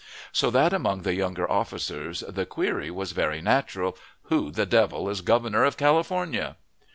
So that among the younger officers the query was very natural, "Who the devil is Governor of California?"